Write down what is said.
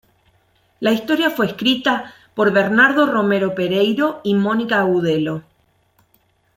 La historia fue escrita por Bernardo Romero Pereiro y Mónica Agudelo.